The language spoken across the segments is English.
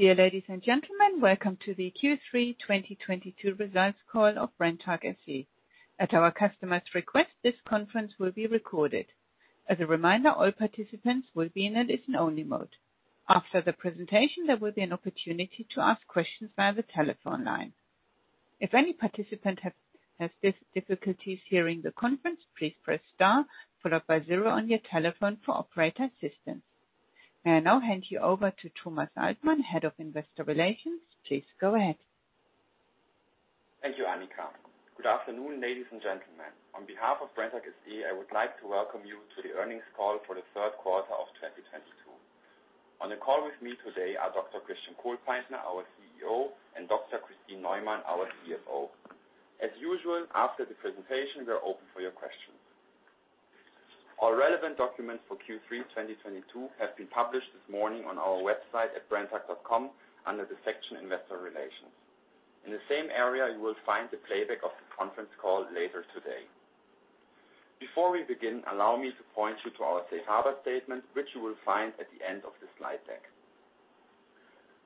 Dear ladies and gentlemen, welcome to the Q3 2022 results call of Brenntag SE. At our customer's request, this conference will be recorded. As a reminder, all participants will be in a listen-only mode. After the presentation, there will be an opportunity to ask questions via the telephone line. If any participant has difficulties hearing the conference, please press star followed by zero on your telephone for operator assistance. May I now hand you over to Thomas Altmann, Head of Investor Relations. Please go ahead. Thank you, Annika. Good afternoon, ladies and gentlemen. On behalf of Brenntag SE, I would like to welcome you to the earnings call for the third quarter of 2022. On the call with me today are Dr. Christian Kohlpaintner, our CEO, and Dr. Kristin Neumann, our CFO. As usual, after the presentation, we are open for your questions. All relevant documents for Q3 2022 have been published this morning on our website at brenntag.com under the section investor relations. In the same area, you will find the playback of the conference call later today. Before we begin, allow me to point you to our safe harbor statement, which you will find at the end of the slide deck.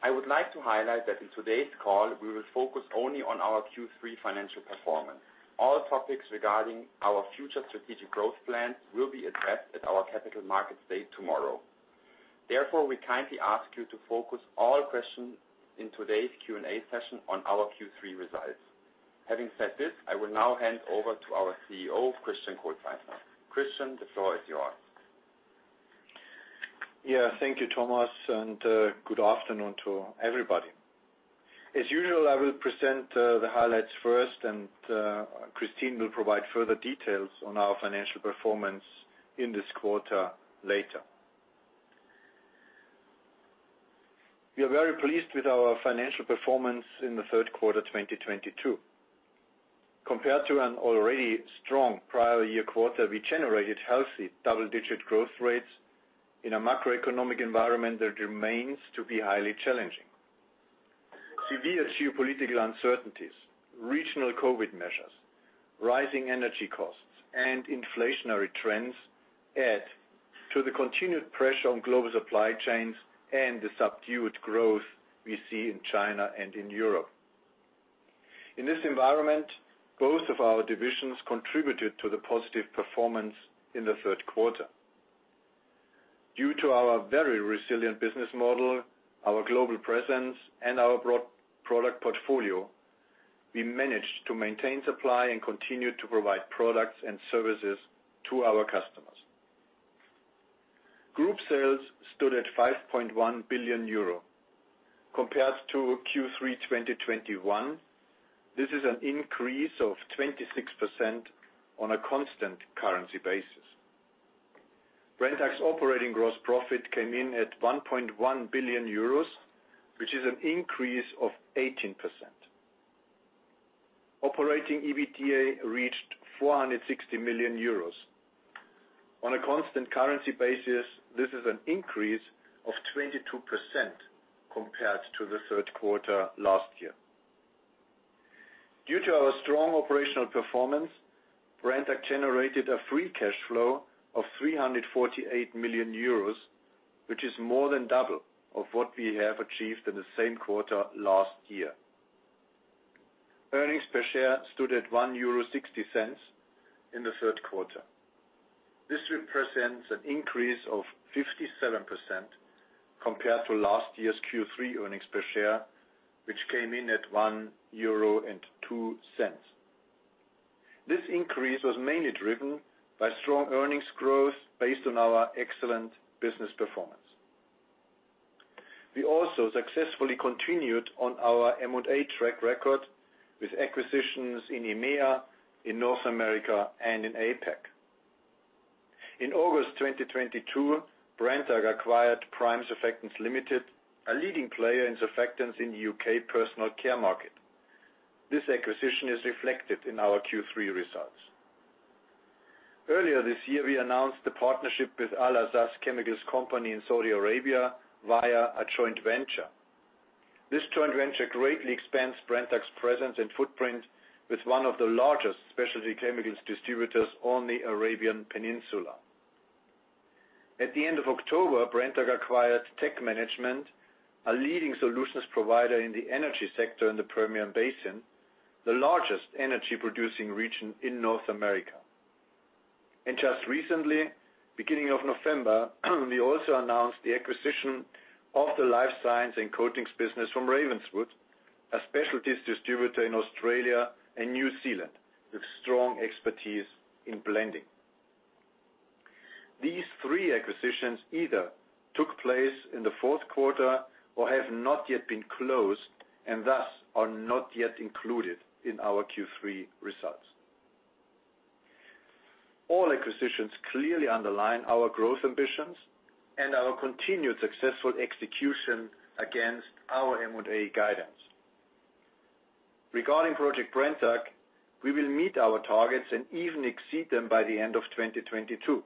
I would like to highlight that in today's call, we will focus only on our Q3 financial performance. All topics regarding our future strategic growth plans will be addressed at our Capital Markets Day tomorrow. Therefore, we kindly ask you to focus all questions in today's Q&A session on our Q3 results. Having said this, I will now hand over to our CEO, Christian Kohlpaintner. Christian, the floor is yours. Yeah. Thank you, Thomas, and good afternoon to everybody. As usual, I will present the highlights first, and Kristin will provide further details on our financial performance in this quarter later. We are very pleased with our financial performance in the third quarter, 2022. Compared to an already strong prior year quarter, we generated healthy double-digit growth rates in a macroeconomic environment that remains to be highly challenging. Severe geopolitical uncertainties, regional COVID measures, rising energy costs, and inflationary trends add to the continued pressure on global supply chains and the subdued growth we see in China and in Europe. In this environment, both of our divisions contributed to the positive performance in the third quarter. Due to our very resilient business model, our global presence, and our broad product portfolio, we managed to maintain supply and continue to provide products and services to our customers. Group sales stood at 5.1 billion euro. Compared to Q3 2021, this is an increase of 26% on a constant currency basis. Brenntag's operating gross profit came in at 1.1 billion euros, which is an increase of 18%. Operating EBITDA reached 460 million euros. On a constant currency basis, this is an increase of 22% compared to the third quarter last year. Due to our strong operational performance, Brenntag generated a free cash flow of 348 million euros, which is more than double of what we have achieved in the same quarter last year. Earnings per share stood at 1.60 euro in the third quarter. This represents an increase of 57% compared to last year's Q3 earnings per share, which came in at 1.02 euro. This increase was mainly driven by strong earnings growth based on our excellent business performance. We also successfully continued on our M&A track record with acquisitions in EMEA, in North America, and in APAC. In August 2022, Brenntag acquired Prime Surfactants Limited, a leading player in surfactants in the U.K. personal care market. This acquisition is reflected in our Q3 results. Earlier this year, we announced the partnership with Al-Azzaz Chemicals Company in Saudi Arabia via a joint venture. This joint venture greatly expands Brenntag's presence and footprint with one of the largest specialty chemicals distributors on the Arabian Peninsula. At the end of October, Brenntag acquired Tech Management, a leading solutions provider in the energy sector in the Permian Basin, the largest energy-producing region in North America. Just recently, beginning of November, we also announced the acquisition of the life science and coatings business from Ravenswood, a specialties distributor in Australia and New Zealand with strong expertise in blending. These three acquisitions either took place in the fourth quarter or have not yet been closed and thus are not yet included in our Q3 results. All acquisitions clearly underline our growth ambitions and our continued successful execution against our M&A guidance. Regarding Project Brenntag, we will meet our targets and even exceed them by the end of 2022.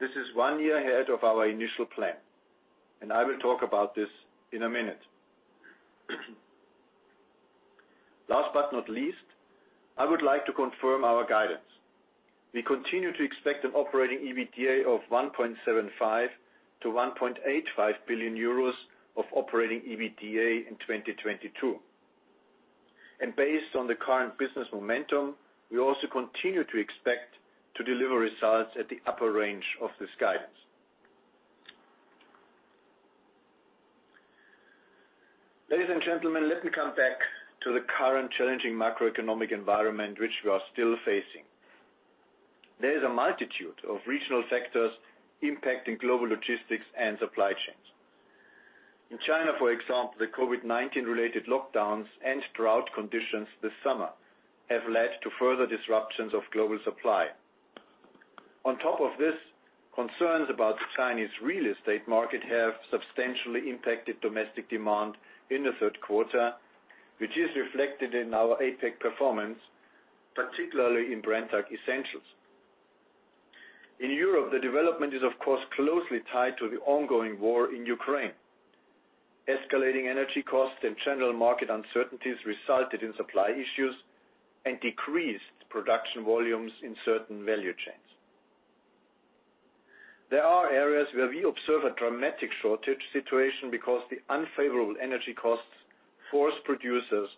This is one year ahead of our initial plan, and I will talk about this in a minute. Last but not least, I would like to confirm our guidance. We continue to expect an operating EBITDA of 1.75 billion-1.85 billion euros of operating EBITDA in 2022. Based on the current business momentum, we also continue to expect to deliver results at the upper range of this guidance. Ladies and gentlemen, let me come back to the current challenging macroeconomic environment which we are still facing. There is a multitude of regional factors impacting global logistics and supply chains. In China, for example, the COVID-19 related lockdowns and drought conditions this summer have led to further disruptions of global supply. On top of this, concerns about the Chinese real estate market have substantially impacted domestic demand in the third quarter, which is reflected in our APAC performance, particularly in Brenntag Essentials. In Europe, the development is of course, closely tied to the ongoing war in Ukraine. Escalating energy costs and general market uncertainties resulted in supply issues and decreased production volumes in certain value chains. There are areas where we observe a dramatic shortage situation because the unfavorable energy costs force producers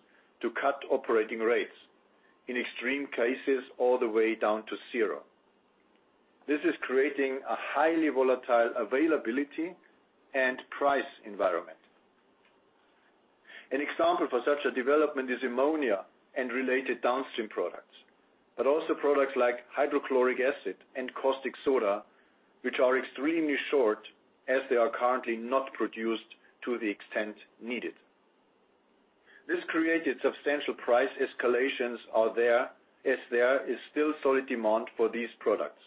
to cut operating rates, in extreme cases, all the way down to zero. This is creating a highly volatile availability and price environment. An example for such a development is ammonia and related downstream products, but also products like hydrochloric acid and caustic soda, which are extremely short as they are currently not produced to the extent needed. This creates substantial price escalations, as there is still solid demand for these products.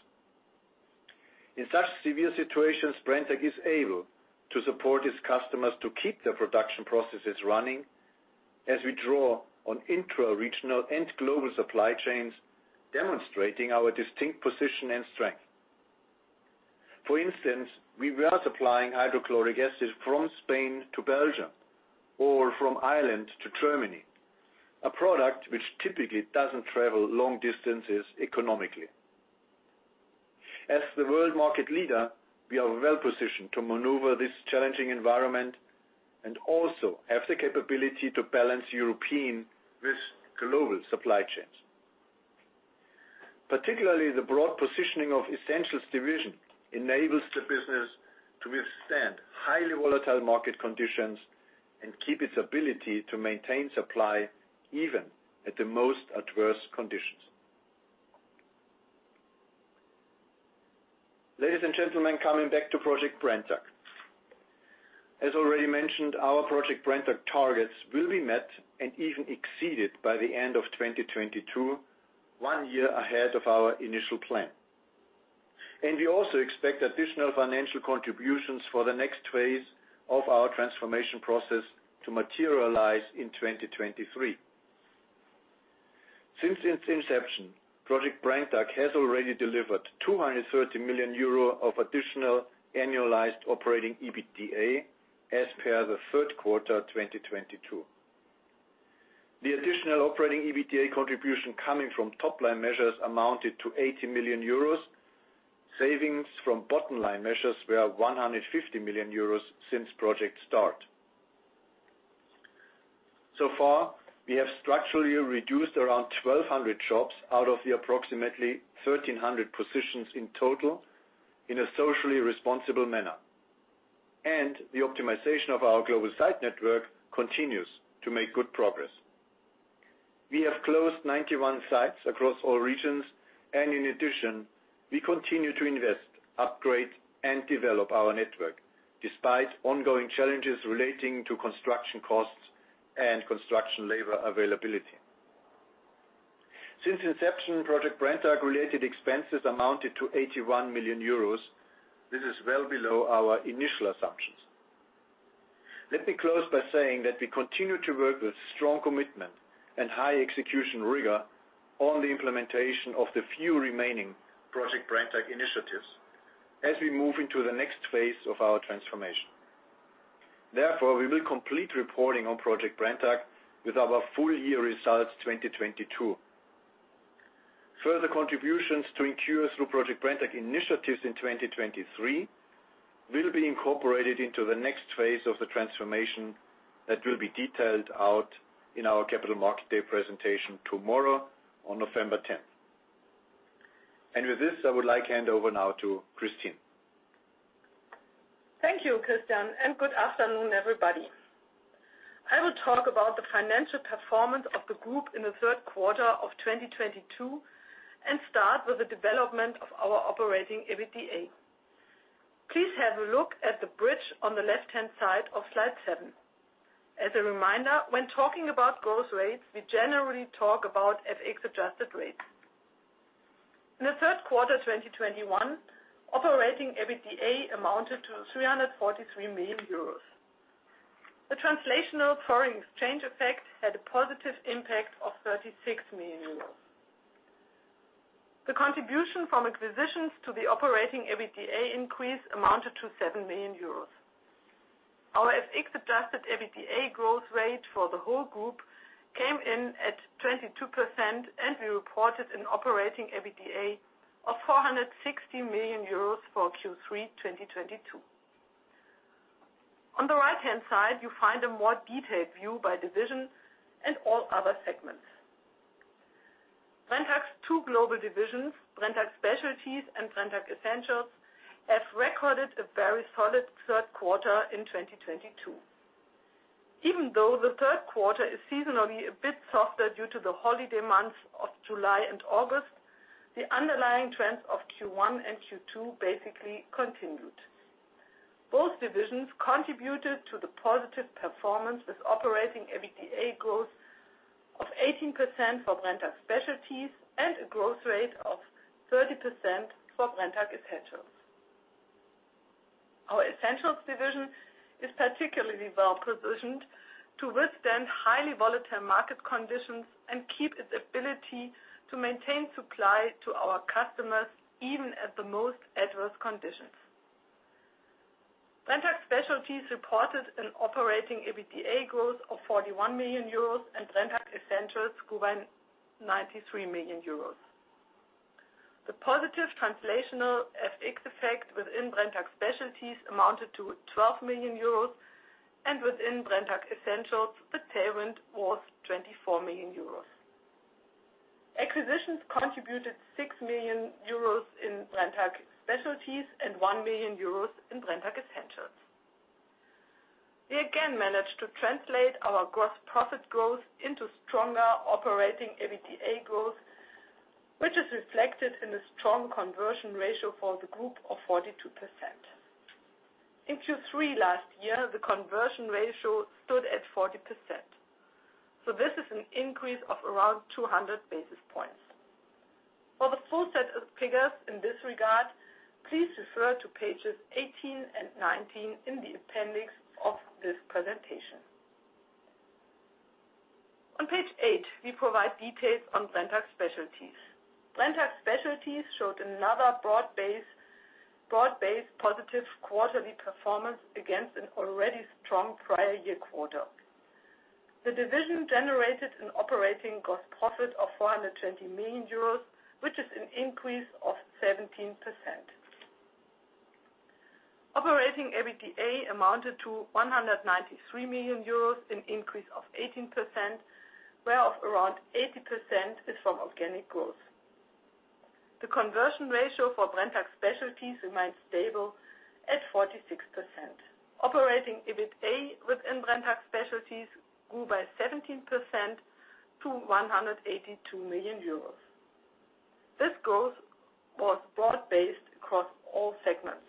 In such severe situations, Brenntag is able to support its customers to keep their production processes running as we draw on intra-regional and global supply chains, demonstrating our distinct position and strength. For instance, we are supplying hydrochloric acid from Spain to Belgium or from Ireland to Germany, a product which typically doesn't travel long distances economically. As the world market leader, we are well-positioned to maneuver this challenging environment and also have the capability to balance European with global supply chains. Particularly, the broad positioning of Essentials division enables the business to withstand highly volatile market conditions and keep its ability to maintain supply even at the most adverse conditions. Ladies and gentlemen, coming back to Project Brenntag. As already mentioned, our Project Brenntag targets will be met and even exceeded by the end of 2022, one year ahead of our initial plan. We also expect additional financial contributions for the next phase of our transformation process to materialize in 2023. Since its inception, Project Brenntag has already delivered 230 million euro of additional annualized operating EBITDA as per the third quarter of 2022. The additional operating EBITDA contribution coming from top-line measures amounted to 80 million euros. Savings from bottom-line measures were 150 million euros since project start. So far, we have structurally reduced around 1,200 jobs out of the approximately 1,300 positions in total in a socially responsible manner. The optimization of our global site network continues to make good progress. We have closed 91 sites across all regions, and in addition, we continue to invest, upgrade, and develop our network, despite ongoing challenges relating to construction costs and construction labor availability. Since inception, Project Brenntag-related expenses amounted to 81 million euros. This is well below our initial assumptions. Let me close by saying that we continue to work with strong commitment and high execution rigor on the implementation of the few remaining Project Brenntag initiatives as we move into the next phase of our transformation. Therefore, we will complete reporting on Project Brenntag with our full year results, 2022. Further contributions to occur through Project Brenntag initiatives in 2023 will be incorporated into the next phase of the transformation that will be detailed out in our Capital Markets Day presentation tomorrow on November 10th. With this, I would like to hand over now to Kristin. Thank you, Christian, and good afternoon, everybody. I will talk about the financial performance of the group in the third quarter of 2022 and start with the development of our operating EBITDA. Please have a look at the bridge on the left-hand side of slide 7. As a reminder, when talking about growth rates, we generally talk about FX-adjusted rates. In the third quarter of 2021, operating EBITDA amounted to 343 million euros. The translational foreign exchange effect had a positive impact of 36 million euros. The contribution from acquisitions to the operating EBITDA increase amounted to 7 million euros. Our FX-adjusted EBITDA growth rate for the whole group came in at 22%, and we reported an operating EBITDA of 460 million euros for Q3 2022. On the right-hand side, you find a more detailed view by division and all other segments. Brenntag's two global divisions, Brenntag Specialties and Brenntag Essentials, have recorded a very solid third quarter in 2022. Even though the third quarter is seasonally a bit softer due to the holiday months of July and August, the underlying trends of Q1 and Q2 basically continued. Both divisions contributed to the positive performance, with operating EBITDA growth of 18% for Brenntag Specialties and a growth rate of 30% for Brenntag Essentials. Our Essentials division is particularly well-positioned to withstand highly volatile market conditions and keep its ability to maintain supply to our customers, even at the most adverse conditions. Brenntag Specialties reported an operating EBITDA growth of 41 million euros and Brenntag Essentials grew by 93 million euros. The positive translational FX effect within Brenntag Specialties amounted to 12 million euros and within Brenntag Essentials, the tailwind was 24 million euros. Acquisitions contributed 6 million euros in Brenntag Specialties and 1 million euros in Brenntag Essentials. We again managed to translate our gross profit growth into stronger operating EBITDA growth, which is reflected in a strong conversion ratio for the group of 42%. In Q3 last year, the conversion ratio stood at 40%, so this is an increase of around 200 basis points. For the full set of figures in this regard, please refer to pages 18 and 19 in the appendix of this presentation. On page 8, we provide details on Brenntag Specialties. Brenntag Specialties showed another broad-based positive quarterly performance against an already strong prior year quarter. The division generated an operating gross profit of 420 million euros, which is an increase of 17%. Operating EBITDA amounted to 193 million euros, an increase of 18%, whereof around 80% is from organic growth. The conversion ratio for Brenntag Specialties remains stable at 46%. Operating EBITA within Brenntag Specialties grew by 17% to 182 million euros. This growth was broad-based across all segments.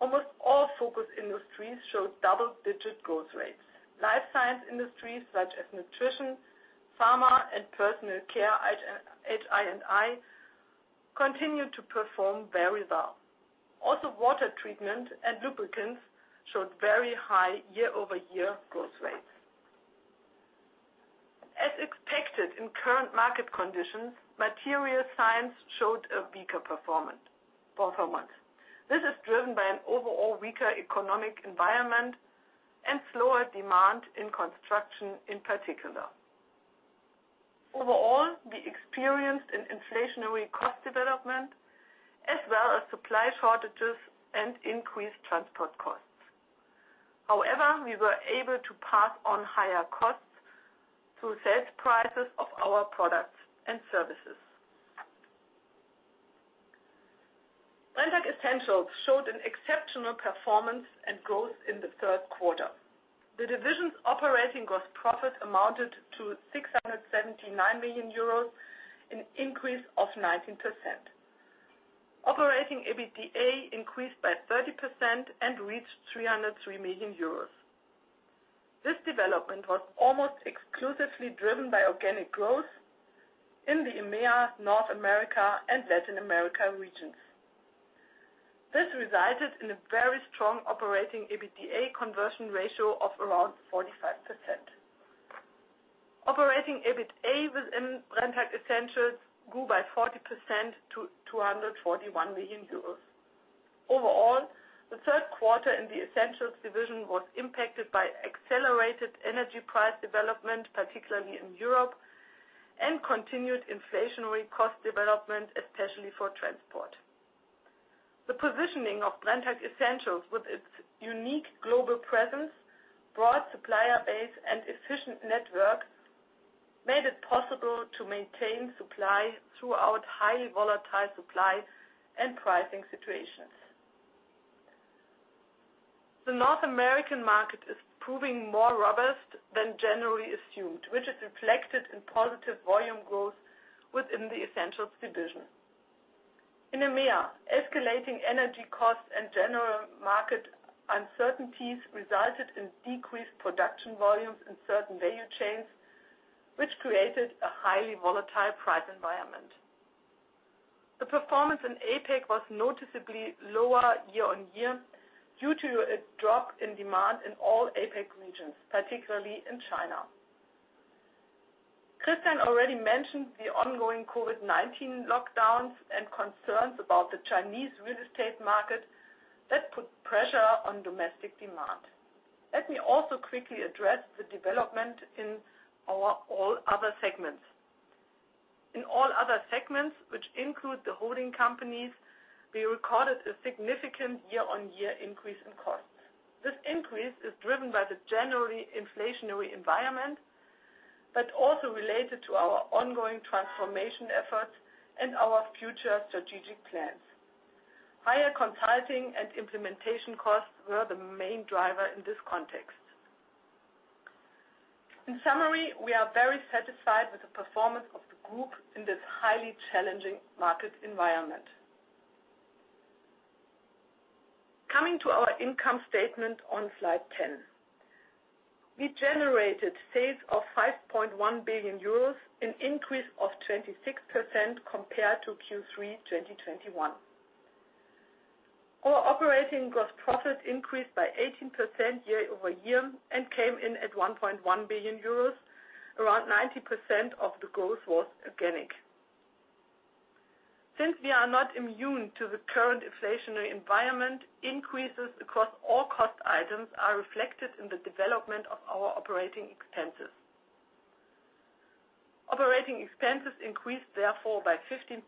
Almost all focus industries showed double-digit growth rates. Life science industries such as Nutrition, Pharma, and Personal Care, HI&I, continue to perform very well. Also, water treatment and lubricants showed very high year-over-year growth rates. As expected in current market conditions, material science showed a weaker performance. This is driven by an overall weaker economic environment and slower demand in construction in particular. Overall, we experienced an inflationary cost development as well as supply shortages and increased transport costs. However, we were able to pass on higher costs through sales prices of our products and services. Brenntag Essentials showed an exceptional performance and growth in the third quarter. The division's operating gross profit amounted to 679 million euros, an increase of 19%. Operating EBITDA increased by 30% and reached 303 million euros. This development was almost exclusively driven by organic growth in the EMEA, North America, and Latin America regions. This resulted in a very strong operating EBITDA conversion ratio of around 45%. Operating EBITA within Brenntag Essentials grew by 40% to 241 million euros. Overall, the third quarter in the Essentials division was impacted by accelerated energy price development, particularly in Europe, and continued inflationary cost development, especially for transport. The positioning of Brenntag Essentials with its unique global presence, broad supplier base, and efficient networks, made it possible to maintain supply throughout highly volatile supply and pricing situations. The North American market is proving more robust than generally assumed, which is reflected in positive volume growth within the Essentials division. In EMEA, escalating energy costs and general market uncertainties resulted in decreased production volumes in certain value chains, which created a highly volatile price environment. The performance in APAC was noticeably lower year-on-year due to a drop in demand in all APAC regions, particularly in China. Christian already mentioned the ongoing COVID-19 lockdowns and concerns about the Chinese real estate market that put pressure on domestic demand. Let me also quickly address the development in our all other segments. In all other segments, which include the holding companies, we recorded a significant year-over-year increase in costs. This increase is driven by the generally inflationary environment, but also related to our ongoing transformation efforts and our future strategic plans. Higher consulting and implementation costs were the main driver in this context. In summary, we are very satisfied with the performance of the group in this highly challenging market environment. Coming to our income statement on slide 10. We generated sales of 5.1 billion euros, an increase of 26% compared to Q3 2021. Our operating gross profit increased by 18% year-over-year and came in at 1.1 billion euros. Around 90% of the growth was organic. Since we are not immune to the current inflationary environment, increases across all cost items are reflected in the development of our operating expenses. Operating expenses increased therefore by 15%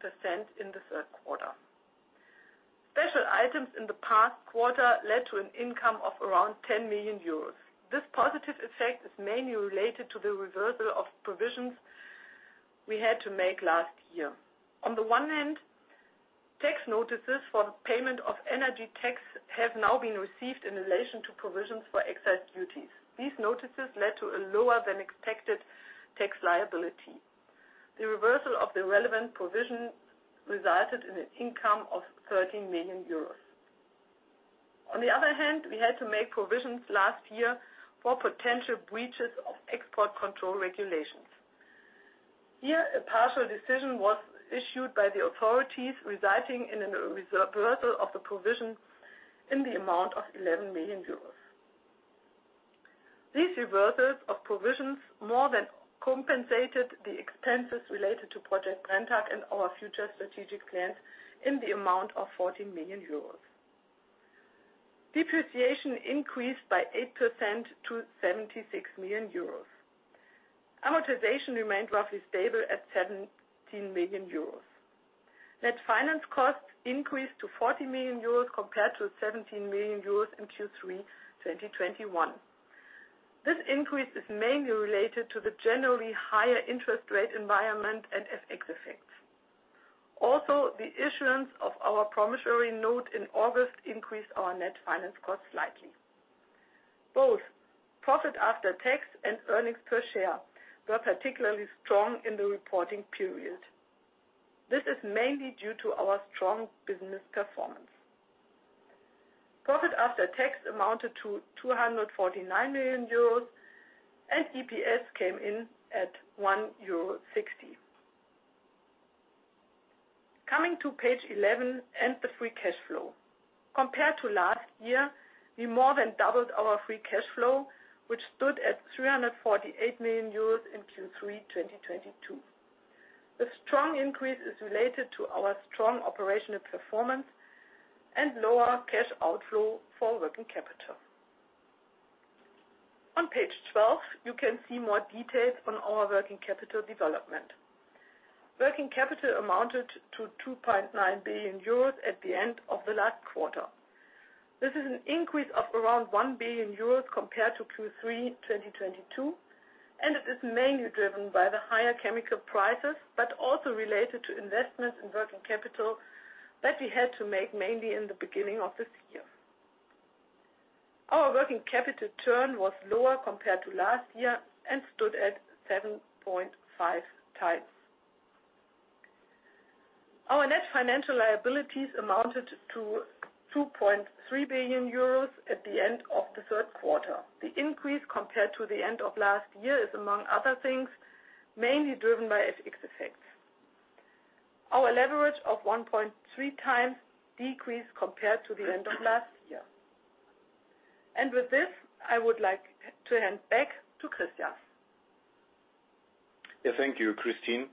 in the third quarter. Special items in the past quarter led to an income of around 10 million euros. This positive effect is mainly related to the reversal of provisions we had to make last year. On the one hand, tax notices for the payment of energy tax have now been received in relation to provisions for excise duties. These notices led to a lower-than-expected tax liability. The reversal of the relevant provision resulted in an income of 13 million euros. On the other hand, we had to make provisions last year for potential breaches of export control regulations. Here, a partial decision was issued by the authorities, resulting in a reversal of the provision in the amount of 11 million euros. These reversals of provisions more than compensated the expenses related to Project Brenntag and our future strategic plans in the amount of 14 million euros. Depreciation increased by 8% to 76 million euros. Amortization remained roughly stable at 17 million euros. Net finance costs increased to 40 million euros compared to 17 million euros in Q3 2021. This increase is mainly related to the generally higher interest rate environment and FX effects. Also, the issuance of our promissory note in August increased our net finance cost slightly. Both profit after tax and earnings per share were particularly strong in the reporting period. This is mainly due to our strong business performance. Profit after tax amounted to 249 million euros and EPS came in at 1.60 euro. Coming to page 11 and the free cash flow. Compared to last year, we more than doubled our free cash flow, which stood at 348 million euros in Q3 2022. The strong increase is related to our strong operational performance and lower cash outflow for working capital. On page 12, you can see more details on our working capital development. Working capital amounted to 2.9 billion euros at the end of the last quarter. This is an increase of around 1 billion euros compared to Q3 2022, and it is mainly driven by the higher chemical prices, but also related to investments in working capital that we had to make mainly in the beginning of this year. Our working capital turn was lower compared to last year and stood at 7.5x. Our net financial liabilities amounted to 2.3 billion euros at the end of the third quarter. The increase compared to the end of last year is, among other things, mainly driven by FX effects. Our leverage of 1.3x decreased compared to the end of last year. With this, I would like to hand back to Christian. Yeah. Thank you, Kristin.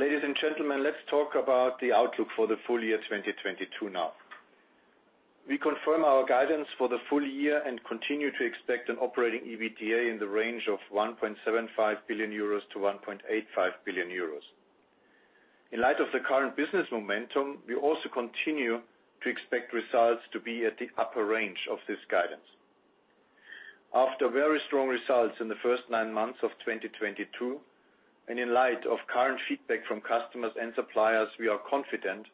Ladies and gentlemen, let's talk about the outlook for the full year 2022 now. We confirm our guidance for the full year and continue to expect an operating EBITDA in the range of 1.75 billion-1.85 billion euros. In light of the current business momentum, we also continue to expect results to be at the upper range of this guidance. After very strong results in the first nine months of 2022 and in light of current feedback from customers and suppliers, we are confident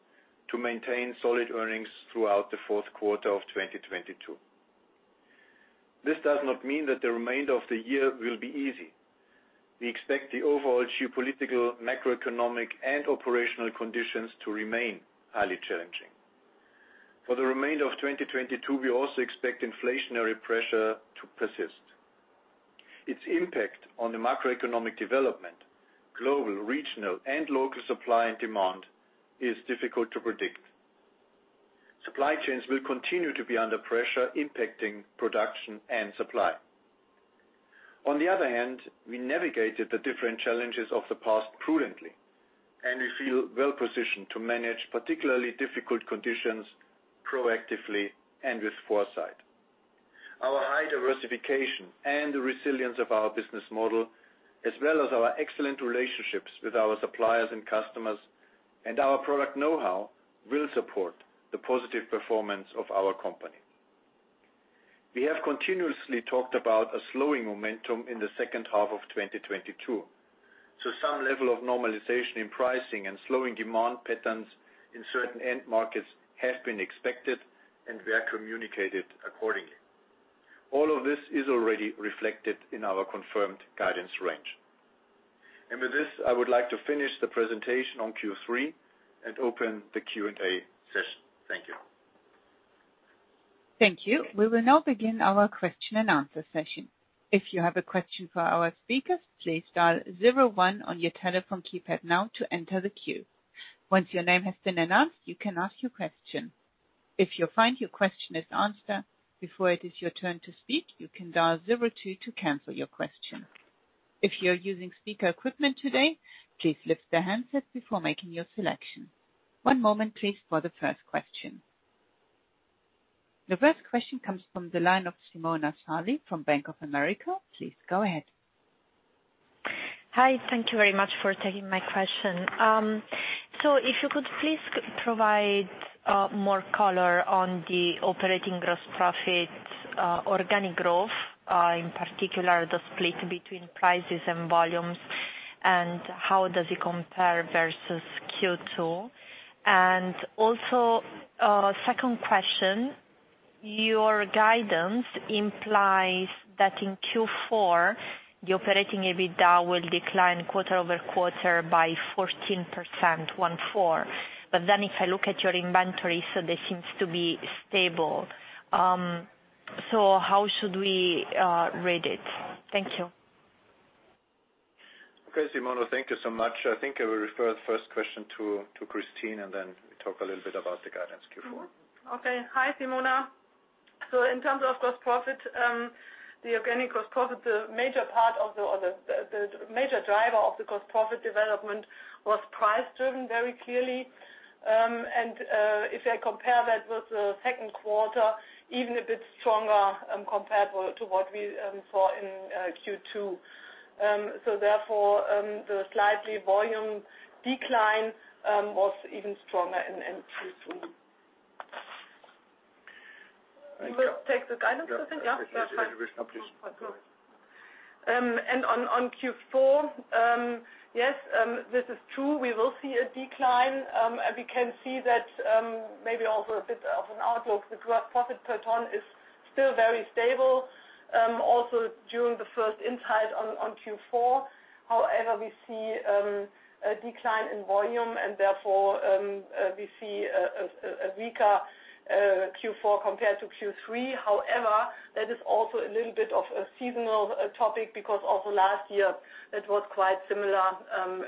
to maintain solid earnings throughout the fourth quarter of 2022. This does not mean that the remainder of the year will be easy. We expect the overall geopolitical, macroeconomic, and operational conditions to remain highly challenging. For the remainder of 2022, we also expect inflationary pressure to persist. Its impact on the macroeconomic development, global, regional and local supply and demand is difficult to predict. Supply chains will continue to be under pressure, impacting production and supply. On the other hand, we navigated the different challenges of the past prudently, and we feel well positioned to manage particularly difficult conditions proactively and with foresight. Our high diversification and the resilience of our business model, as well as our excellent relationships with our suppliers and customers and our product know-how, will support the positive performance of our company. We have continuously talked about a slowing momentum in the second half of 2022. Some level of normalization in pricing and slowing demand patterns in certain end markets have been expected and were communicated accordingly. All of this is already reflected in our confirmed guidance range. With this, I would like to finish the presentation on Q3 and open the Q&A session. Thank you. Thank you. We will now begin our question and answer session. If you have a question for our speakers, please dial zero one on your telephone keypad now to enter the queue. Once your name has been announced, you can ask your question. If you find your question is answered before it is your turn to speak, you can dial zero two to cancel your question. If you're using speaker equipment today, please lift the handset before making your selection. One moment please for the first question. The first question comes from the line of Simona Sarli from Bank of America. Please go ahead. Hi. Thank you very much for taking my question. So if you could please provide more color on the operating gross profit organic growth, in particular, the split between prices and volumes, and how does it compare versus Q2? Also, second question, your guidance implies that in Q4, the operating EBITDA will decline quarter-over-quarter by 14%. Then if I look at your inventory, it seems to be stable. How should we read it? Thank you. Okay, Simona, thank you so much. I think I will refer the first question to Kristin, and then we talk a little bit about the guidance Q4. Hi, Simona. In terms of gross profit, the organic gross profit, the major driver of the gross profit development was price-driven very clearly. If I compare that with the second quarter, even a bit stronger compared to what we saw in Q2. Therefore, the slight volume decline was even stronger in Q2. Thank you. You will take the guidance I think, yeah? Yes, please. Yeah. Fine. If you wish to complete. Go ahead. On Q4, yes, this is true. We will see a decline. We can see that, maybe also a bit of an outlook. The gross profit per ton is still very stable, also during the first insight on Q4. However, we see a decline in volume and therefore, we see a weaker Q4 compared to Q3. However, that is also a little bit of a seasonal topic because also last year it was quite similar.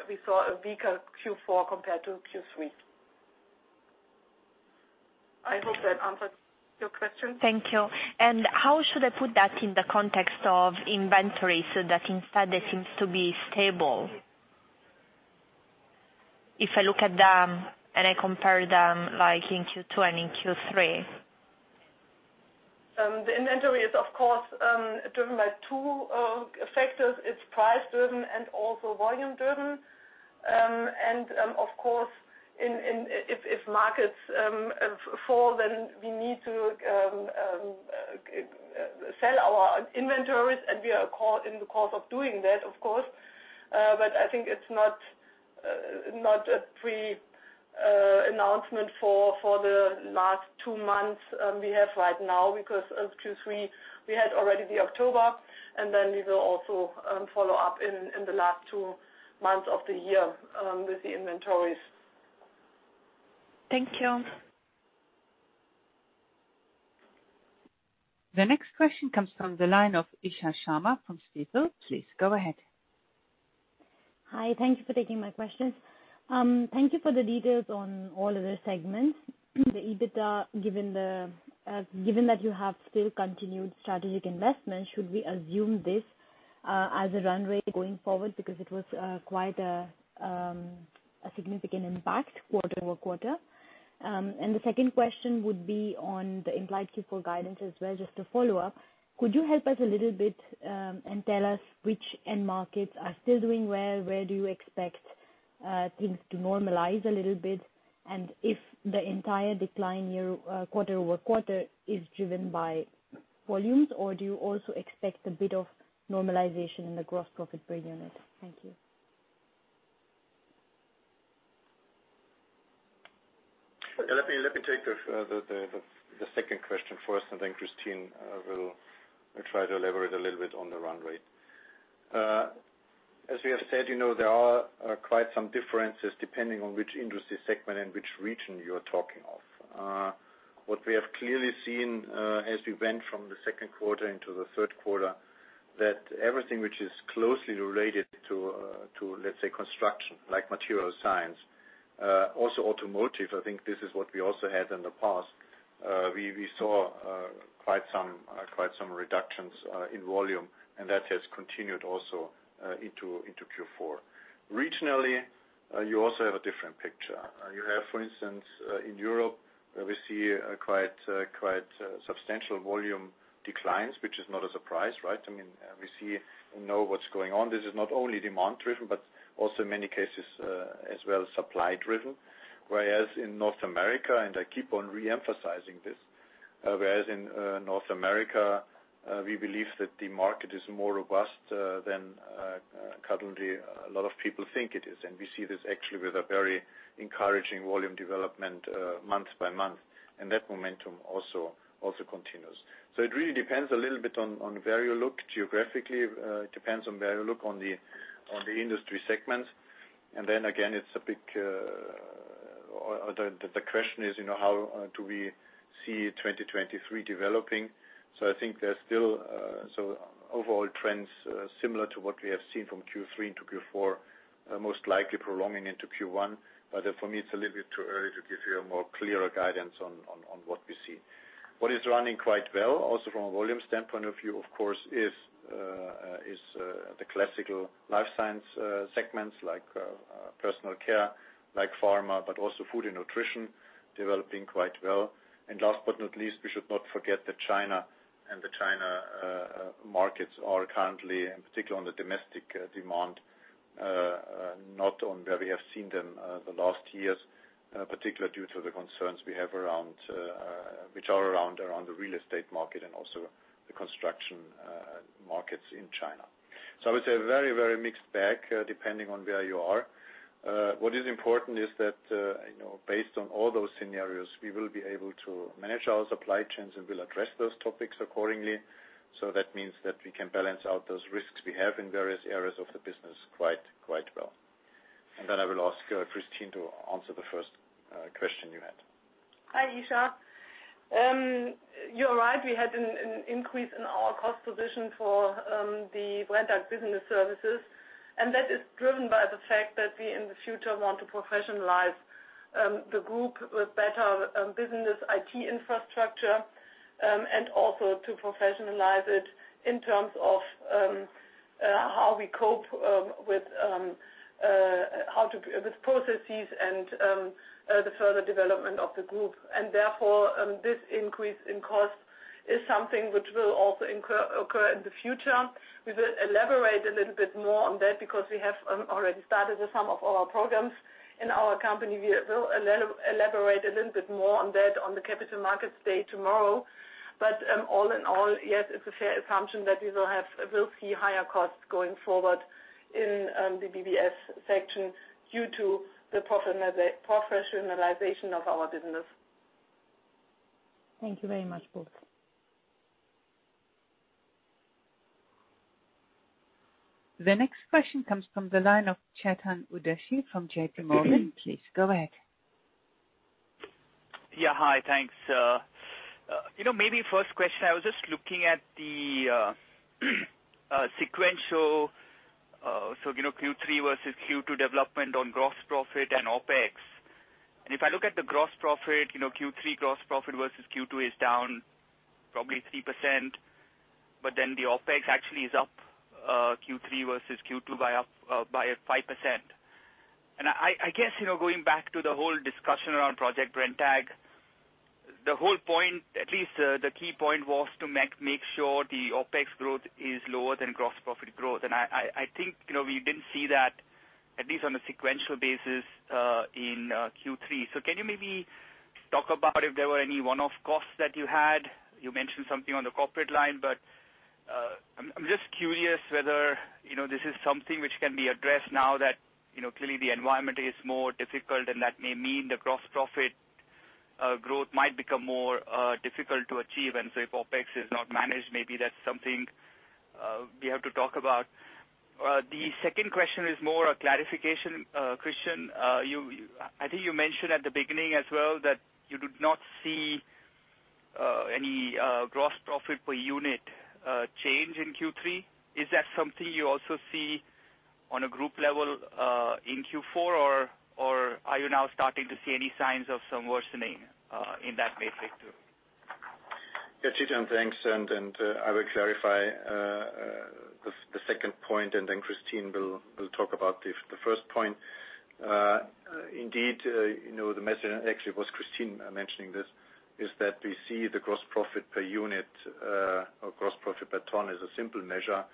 We saw a weaker Q4 compared to Q3. I hope that answers your question. Thank you. How should I put that in the context of inventory, so that instead it seems to be stable? If I look at them and I compare them like in Q2 and in Q3. The inventory is of course driven by two factors. It's price-driven and also volume-driven. Of course, if markets fall, then we need to sell our inventories, and we are in the course of doing that, of course. I think it's not a pre-announcement for the last two months we have right now because of Q3. We had already the October, and then we will also follow up in the last two months of the year with the inventories. Thank you. The next question comes from the line of Isha Sharma from Stifel. Please go ahead. Hi. Thank you for taking my questions. Thank you for the details on all of the segments. The EBITDA, given that you have still continued strategic investment, should we assume this as a run rate going forward? Because it was quite a significant impact quarter-over-quarter. The second question would be on the implied Q4 guidance as well, just a follow-up. Could you help us a little bit and tell us which end markets are still doing well? Where do you expect things to normalize a little bit? And if the entire decline year-over-quarter is driven by volumes, or do you also expect a bit of normalization in the gross profit per unit? Thank you. Let me take the second question first, and then Kristin will try to elaborate a little bit on the run rate. As we have said, you know, there are quite some differences depending on which industry segment and which region you are talking of. What we have clearly seen, as we went from the second quarter into the third quarter, that everything which is closely related to let's say, construction, like material science, also automotive, I think this is what we also had in the past. We saw quite some reductions in volume, and that has continued also into Q4. Regionally, you also have a different picture. You have for instance in Europe we see a quite substantial volume declines, which is not a surprise, right? I mean, we see and know what's going on. This is not only demand driven, but also in many cases as well supply driven. Whereas in North America, and I keep on re-emphasizing this, we believe that the market is more robust than currently a lot of people think it is. We see this actually with a very encouraging volume development month by month, and that momentum also continues. It really depends a little bit on where you look geographically. It depends on where you look on the industry segments. The question is, you know, how do we see 2023 developing? I think there's still overall trends similar to what we have seen from Q3 into Q4, most likely prolonging into Q1. But for me, it's a little bit too early to give you a more clearer guidance on what we see. What is running quite well, also from a volume standpoint of view, of course, is the classical life science segments like Personal Care, like Pharma, but also Food and Nutrition developing quite well. Last but not least, we should not forget that China and the Chinese markets are currently, and particularly on the domestic demand, not where we have seen them the last years, particularly due to the concerns we have around the real estate market and also the construction markets in China. I would say a very, very mixed bag, depending on where you are. What is important is that, you know, based on all those scenarios, we will be able to manage our supply chains, and we'll address those topics accordingly. That means that we can balance out those risks we have in various areas of the business quite well. Then I will ask Kristin to answer the first question you had. Hi, Isha. You're right. We had an increase in our cost position for the Brenntag Business Services, and that is driven by the fact that we in the future want to professionalize the group with better business IT infrastructure, and also to professionalize it in terms of how we cope with processes and the further development of the group. Therefore, this increase in cost is something which will also occur in the future. We will elaborate a little bit more on that because we have already started with some of our programs in our company. We will elaborate a little bit more on that on the Capital Markets Day tomorrow. All in all, yes, it's a fair assumption that we'll see higher costs going forward in the BBS section due to the professionalization of our business. Thank you very much, both. The next question comes from the line of Chetan Udeshi from J.P. Morgan. Please go ahead. Yeah. Hi. Thanks. You know, maybe first question, I was just looking at the sequential, so, you know, Q3 versus Q2 development on gross profit and OpEx. If I look at the gross profit, you know, Q3 gross profit versus Q2 is down probably 3%, but then the OpEx actually is up, Q3 versus Q2 by 5%. I guess, you know, going back to the whole discussion around Project Brenntag, the whole point, at least, the key point was to make sure the OpEx growth is lower than gross profit growth. I think, you know, we didn't see that at least on a sequential basis in Q3. Can you maybe talk about if there were any one-off costs that you had? You mentioned something on the corporate line, but I'm just curious whether, you know, this is something which can be addressed now that, you know, clearly the environment is more difficult and that may mean the gross profit growth might become more difficult to achieve. If OpEx is not managed, maybe that's something we have to talk about. The second question is more a clarification. Christian, I think you mentioned at the beginning as well that you do not see any gross profit per unit change in Q3. Is that something you also see on a group level in Q4, or are you now starting to see any signs of some worsening in that metric too? Yeah, Chetan, thanks. I will clarify the second point, and then Kristin will talk about the first point. Indeed, you know, the message, and actually it was Kristin mentioning this, is that we see the gross profit per unit or gross profit per ton as a simple measure,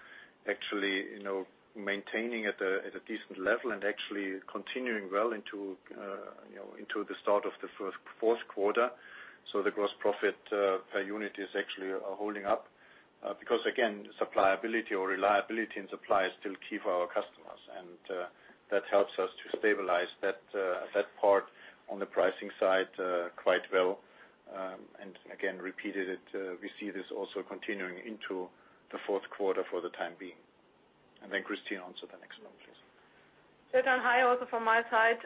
actually, you know, maintaining at a decent level and actually continuing well into the start of the fourth quarter. The gross profit per unit is actually holding up because again, supply ability or reliability and supply is still key for our customers. That helps us to stabilize that part on the pricing side quite well. And again, repeated it, we see this also continuing into the fourth quarter for the time being. Kristin, answer the next one, please. Chetan, hi, also from my side.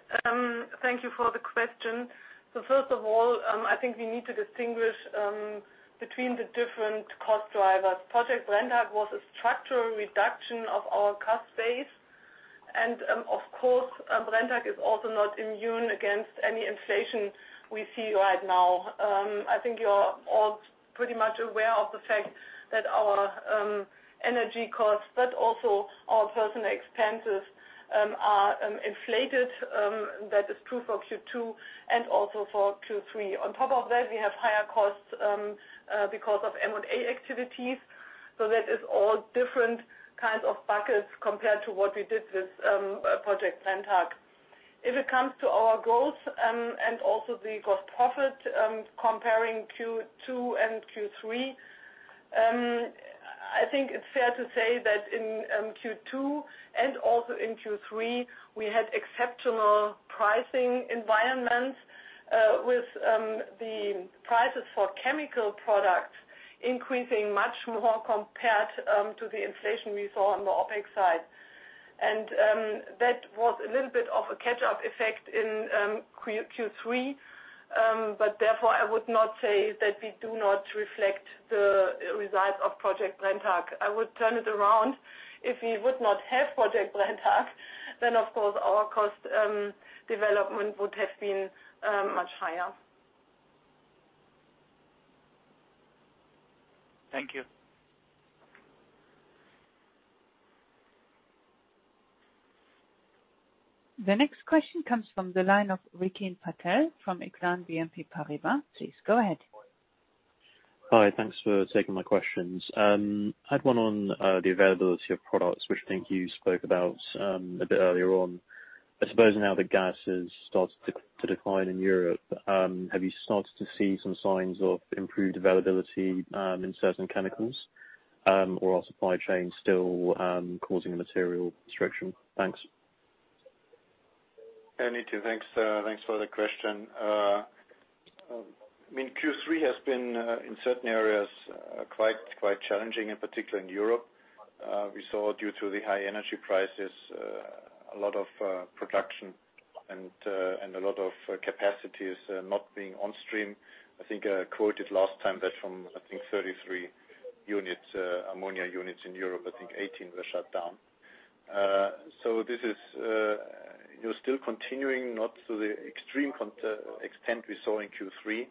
Thank you for the question. First of all, I think we need to distinguish between the different cost drivers. Project Brenntag was a structural reduction of our cost base. Of course, Brenntag is also not immune against any inflation we see right now. I think you're all pretty much aware of the fact that our energy costs, but also our personnel expenses, are inflated, that is true for Q2 and also for Q3. On top of that, we have higher costs because of M&A activities. That is all different kinds of buckets compared to what we did with Project Brenntag. If it comes to our goals and also the cost profit comparing Q2 and Q3, I think it's fair to say that in Q2 and also in Q3, we had exceptional pricing environments with the prices for chemical products increasing much more compared to the inflation we saw on the OpEx side. That was a little bit of a catch-up effect in Q3, but therefore I would not say that we do not reflect the results of Project Brenntag. I would turn it around. If we would not have Project Brenntag, then of course our cost development would have been much higher. Thank you. The next question comes from the line of Rikin Patel from Exane BNP Paribas. Please go ahead. Hi. Thanks for taking my questions. I had one on the availability of products, which I think you spoke about a bit earlier on. I suppose now that gas has started to decline in Europe, have you started to see some signs of improved availability in certain chemicals, or are supply chains still causing a material restriction? Thanks. Rikin, thanks for the question. I mean, Q3 has been in certain areas quite challenging, in particular in Europe. We saw due to the high energy prices a lot of production and a lot of capacities not being on stream. I think I quoted last time that from 33 ammonia units in Europe, I think 18 were shut down. So this is still continuing not to the extreme extent we saw in Q3.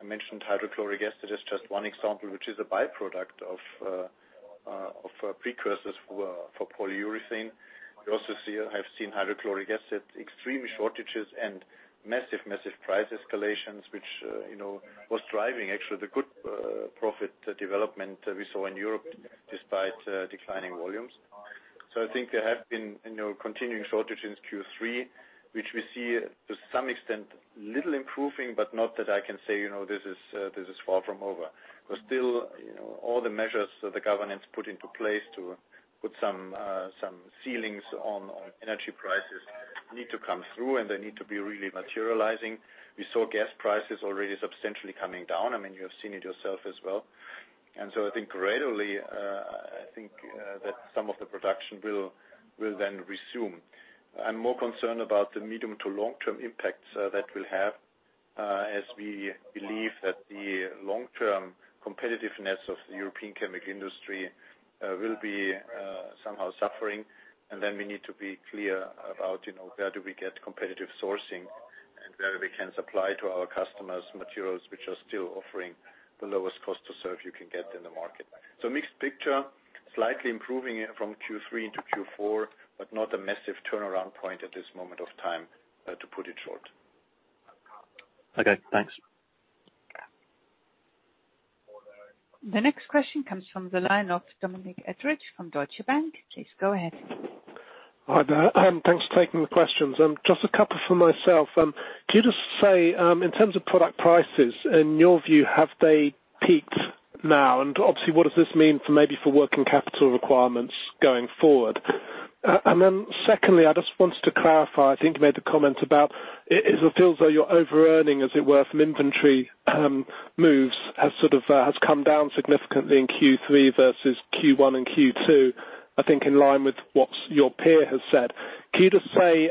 I mentioned hydrochloric acid as just one example, which is a by-product of precursors for polyurethane. You also have seen hydrochloric acid, extreme shortages and massive price escalations, which, you know, was driving actually the good profit development we saw in Europe despite declining volumes. I think there have been, you know, continuing shortages in Q3, which we see to some extent, little improving, but not that I can say, you know, this is far from over. Still, you know, all the measures the government's put into place to put some ceilings on energy prices need to come through, and they need to be really materializing. We saw gas prices already substantially coming down. I mean, you have seen it yourself as well. I think gradually, I think, that some of the production will then resume. I'm more concerned about the medium to long-term impacts that will have, as we believe that the long-term competitiveness of the European chemical industry will be somehow suffering. We need to be clear about, you know, where do we get competitive sourcing and where we can supply to our customers materials which are still offering the lowest cost to serve you can get in the market. Mixed picture, slightly improving from Q3 into Q4, but not a massive turnaround point at this moment of time, to put it short. Okay, thanks. The next question comes from the line of Dominic Edridge from Deutsche Bank. Please go ahead. Hi there. Thanks for taking the questions. Just a couple for myself. Could you just say, in terms of product prices, in your view, have they peaked now? Obviously, what does this mean for maybe for working capital requirements going forward? And then secondly, I just wanted to clarify, I think you made a comment about it feels as though your overearning, as it were, from inventory moves has sort of come down significantly in Q3 versus Q1 and Q2, I think in line with what your peer has said. Can you just say,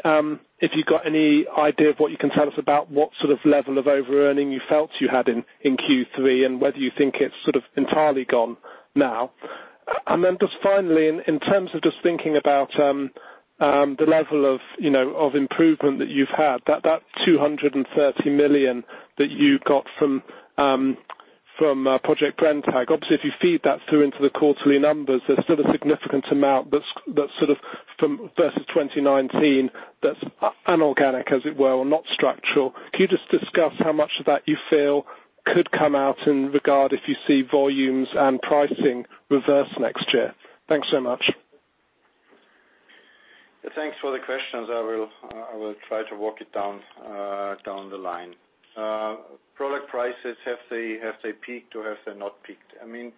if you've got any idea of what you can tell us about what sort of level of overearning you felt you had in Q3 and whether you think it's sort of entirely gone now? Just finally, in terms of just thinking about the level of, you know, of improvement that you've had, that 230 million that you got from Project Brenntag. Obviously, if you feed that through into the quarterly numbers, there's still a significant amount that's sort of from versus 2019 that's inorganic, as it were, or not structural. Can you just discuss how much of that you feel could come out in regard if you see volumes and pricing reverse next year? Thanks so much. Thanks for the questions. I will try to walk it down the line. Product prices, have they peaked or have they not peaked? I mean,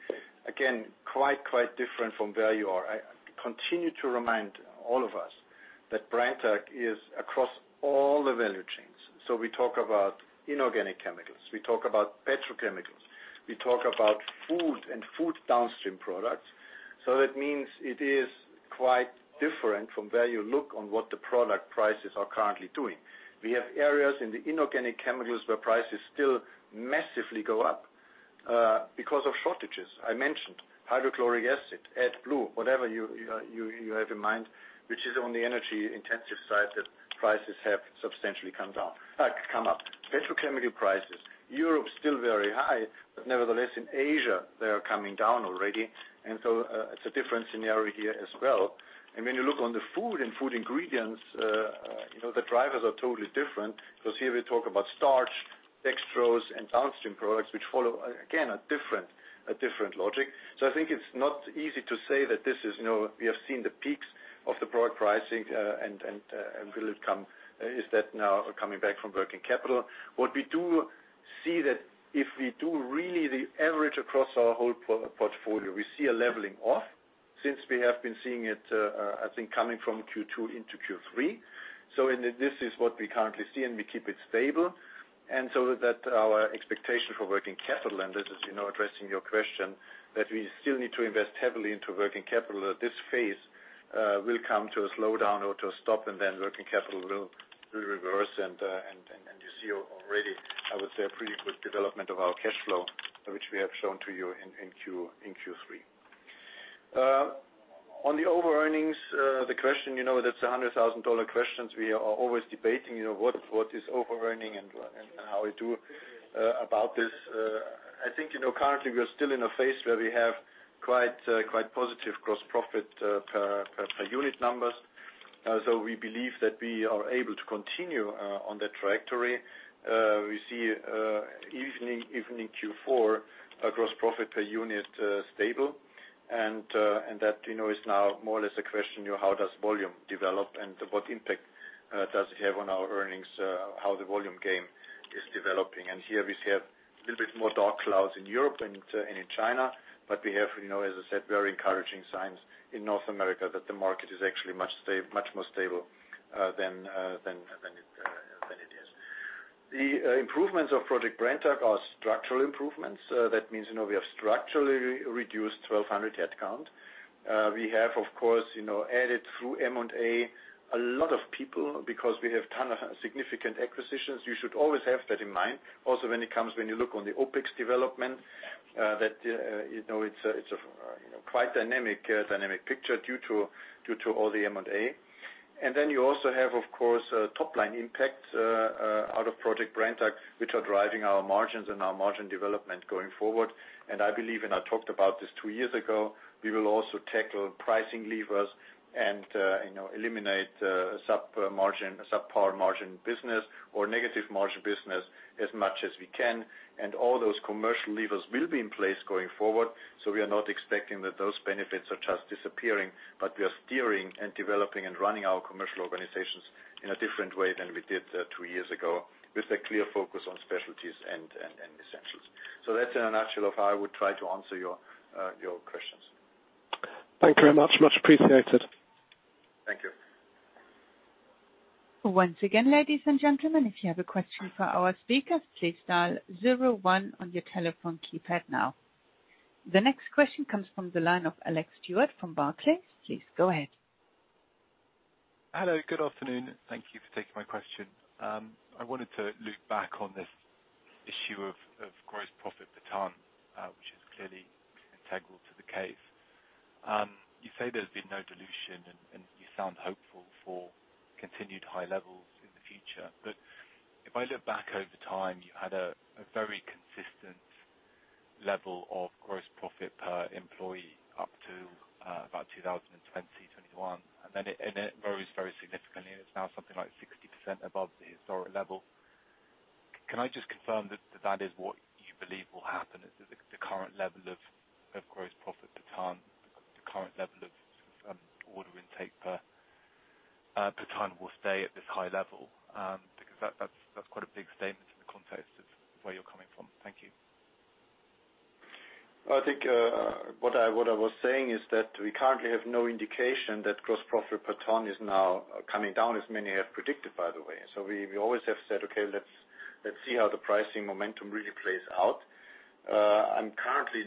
again, quite different from where you are. I continue to remind all of us that Brenntag is across all the value chains. We talk about inorganic chemicals, we talk about petrochemicals, we talk about food and food downstream products. That means it is quite different from where you look on what the product prices are currently doing. We have areas in the inorganic chemicals where prices still massively go up because of shortages. I mentioned hydrochloric acid, AdBlue, whatever you have in mind, which is on the energy-intensive side, that prices have substantially come up. Petrochemical prices, Europe still very high, but nevertheless in Asia, they are coming down already. It's a different scenario here as well. When you look on the food and food ingredients, you know, the drivers are totally different because here we talk about starch, dextrose, and downstream products which follow, again, a different logic. I think it's not easy to say that this is. You know, we have seen the peaks of the product pricing, and will it come? Is that now coming back from working capital? What we do see that if we do really the average across our whole portfolio, we see a leveling off since we have been seeing it, I think coming from Q2 into Q3. This is what we currently see, and we keep it stable. And so that our expectation for working capital, and this is addressing your question, that we still need to invest heavily into working capital at this phase, will come to a slowdown or to a stop, and then working capital will reverse. You see already, I would say, a pretty good development of our cash flow, which we have shown to you in Q3. On the overearnings, the question, you know that's the $100,000 question we are always debating, you know, what is overearning and how we do about this. I think, you know, currently we are still in a phase where we have quite positive gross profit per unit numbers. So we believe that we are able to continue on that trajectory. We see, even in Q4, our gross profit per unit stable, and that, you know, is now more or less a question, you know, how does volume develop and what impact does it have on our earnings, how the volume game is developing. Here we have a little bit more dark clouds in Europe and in China, but we have, you know, as I said, very encouraging signs in North America that the market is actually much more stable than it is. The improvements of Project Brenntag are structural improvements. That means, you know, we have structurally reduced 1,200 head count. We have, of course, you know, added through M&A a lot of people because we have a ton of significant acquisitions. You should always have that in mind. Also, when you look on the OpEx development, that, you know, it's a you know, quite dynamic picture due to all the M&A. Then you also have, of course, top-line impact out of Project Brenntag, which are driving our margins and our margin development going forward. I believe, and I talked about this two years ago, we will also tackle pricing levers and, you know, eliminate sub-margin, sub-par margin business or negative margin business as much as we can. All those commercial levers will be in place going forward. We are not expecting that those benefits are just disappearing, but we are steering and developing and running our commercial organizations in a different way than we did two years ago, with a clear focus on specialties and essentials. That's in a nutshell of how I would try to answer your questions. Thank you very much. Much appreciated. Thank you. Once again, ladies and gentlemen, if you have a question for our speakers, please dial zero one on your telephone keypad now. The next question comes from the line of Alex Stewart from Barclays. Please go ahead. Hello, good afternoon. Thank you for taking my question. I wanted to loop back on this issue of gross profit per ton, which is clearly integral to the case. You say there's been no dilution, and you sound hopeful for continued high levels in the future. If I look back over time, you had a very consistent level of gross profit per employee up to about 2020, 2021, and then it varies very significantly, and it's now something like 60% above the historic level. Can I just confirm that is what you believe will happen at the current level of gross profit per ton, the current level of order intake per ton will stay at this high level? Because that's quite a big statement in the context of where you're coming from. Thank you. I think what I was saying is that we currently have no indication that gross profit per ton is now coming down, as many have predicted, by the way. We always have said, "Okay, let's see how the pricing momentum really plays out." I'm currently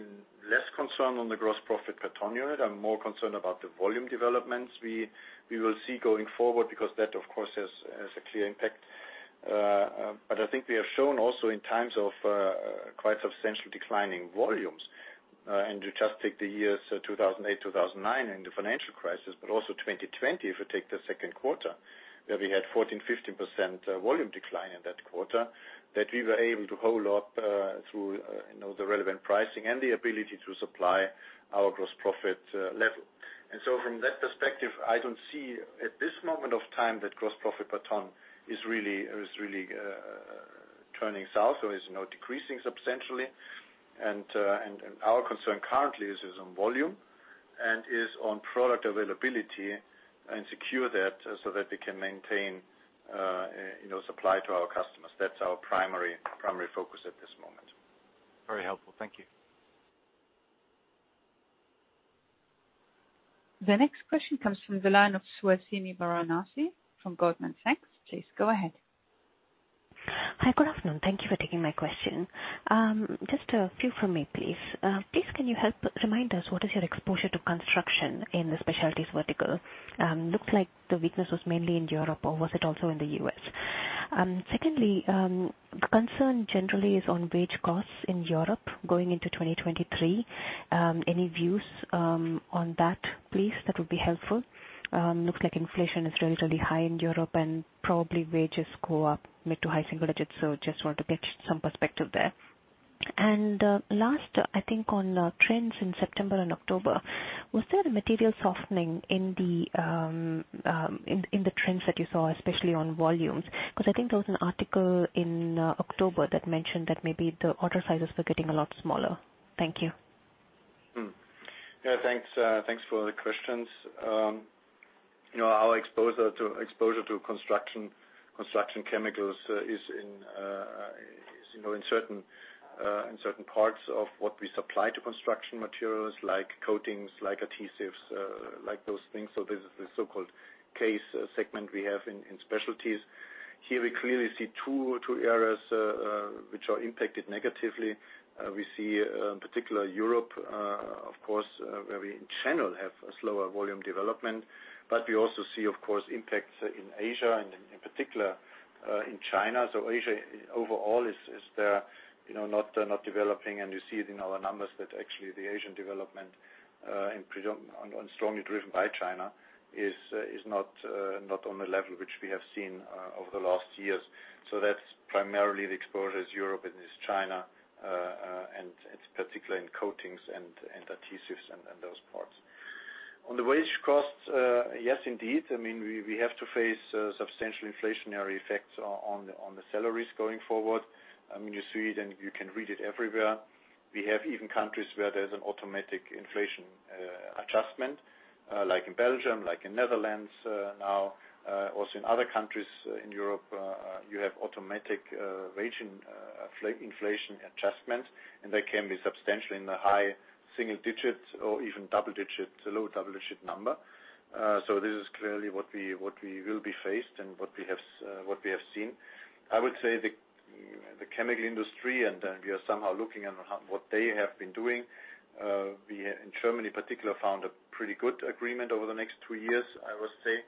less concerned on the gross profit per ton unit. I'm more concerned about the volume developments we will see going forward, because that, of course, has a clear impact. I think we have shown also in times of quite substantially declining volumes, and you just take the years 2008, 2009 in the financial crisis, but also 2020, if you take the second quarter, where we had 14%, 15% volume decline in that quarter, that we were able to hold up through you know the relevant pricing and the ability to supply our gross profit level. From that perspective, I don't see at this moment of time that gross profit per ton is really turning south or is now decreasing substantially. Our concern currently is on volume and on product availability and secure that so that we can maintain you know supply to our customers. That's our primary focus at this moment. Very helpful. Thank you. The next question comes from the line of Suhasini Varanasi from Goldman Sachs. Please go ahead. Hi, good afternoon. Thank you for taking my question. Just a few from me, please. Please can you help remind us what is your exposure to construction in the Specialties vertical? Looks like the weakness was mainly in Europe or was it also in the U.S.? Secondly, the concern generally is on wage costs in Europe going into 2023. Any views on that, please? That would be helpful. Looks like inflation is relatively high in Europe and probably wages go up mid- to high-single digits, so just want to get some perspective there. Last, I think on trends in September and October, was there a material softening in the trends that you saw, especially on volumes? 'Cause I think there was an article in October that mentioned that maybe the order sizes were getting a lot smaller. Thank you. Yeah, thanks for the questions. You know, our exposure to construction chemicals is in certain parts of what we supply to construction materials like coatings, like adhesives, like those things. This is the so-called CASE segment we have in Specialties. Here we clearly see two areas which are impacted negatively. We see in particular Europe, of course, where we in general have a slower volume development. We also see, of course, impacts in Asia and in particular in China. Asia overall is not developing and you see it in our numbers that actually the Asian development strongly driven by China is not on the level which we have seen over the last years. That's primarily the exposure is Europe and China and it's particularly in coatings and adhesives and those parts. On the wage costs, yes, indeed. I mean, we have to face substantial inflationary effects on the salaries going forward. I mean, you see it and you can read it everywhere. We have even countries where there's an automatic inflation adjustment like in Belgium, like in Netherlands, now. Also in other countries in Europe, you have automatic wage inflation adjustment, and they can be substantially in the high single digits or even double digits, low double-digit number. This is clearly what we will be faced with and what we have seen. I would say the chemical industry and we are somehow looking at what they have been doing. We in Germany in particular found a pretty good agreement over the next two years, I would say.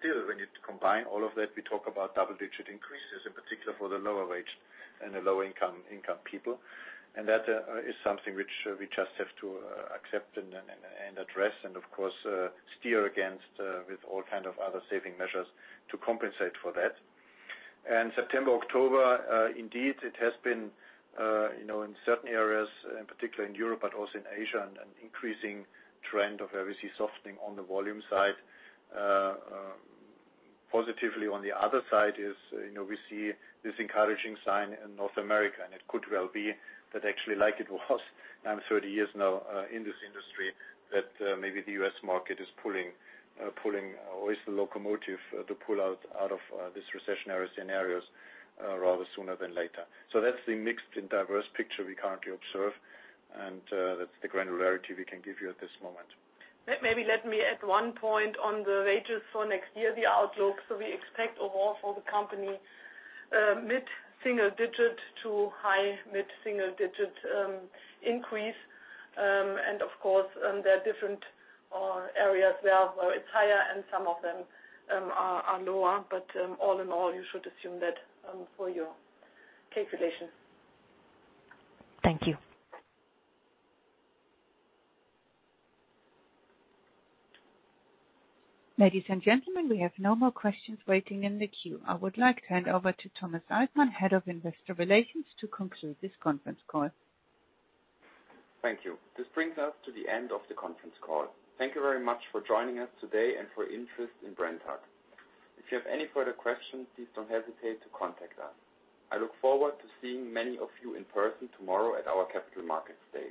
Still, when you combine all of that, we talk about double-digit increases in particular for the lower wage and the lower income people. That is something which we just have to accept and address and of course steer against with all kind of other saving measures to compensate for that. September, October, indeed it has been you know in certain areas in particular in Europe but also in Asia an increasing trend of where we see softening on the volume side. Positively on the other side is you know we see this encouraging sign in North America and it could well be that actually like it was 30 years now in this industry that maybe the U.S. market is pulling or is the locomotive to pull out of this recessionary scenarios rather sooner than later. So that's the mixed and diverse picture we currently observe and that's the granularity we can give you at this moment. Maybe let me add one point on the wages for next year, the outlook. We expect overall for the company mid-single-digit to high mid-single-digit increase. Of course, there are different areas where it's higher and some of them are lower. All in all, you should assume that for your calculation. Thank you. Ladies and gentlemen, we have no more questions waiting in the queue. I would like to hand over to Thomas Altmann, Head of Investor Relations, to conclude this conference call. Thank you. This brings us to the end of the conference call. Thank you very much for joining us today and for your interest in Brenntag. If you have any further questions, please don't hesitate to contact us. I look forward to seeing many of you in person tomorrow at our Capital Markets Day.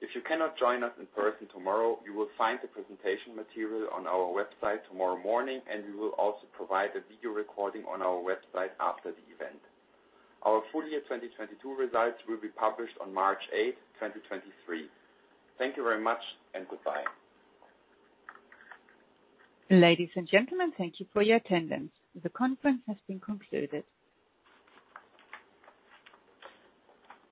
If you cannot join us in person tomorrow, you will find the presentation material on our website tomorrow morning, and we will also provide a video recording on our website after the event. Our full year 2022 results will be published on March 8th, 2023. Thank you very much and goodbye. Ladies and gentlemen, thank you for your attendance. The conference has been concluded.